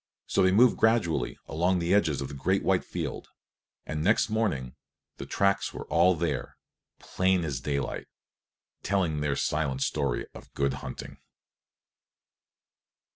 So they moved gradually along the edges of the great white field; and next morning the tracks were all there, plain as daylight, telling their silent story of good hunting.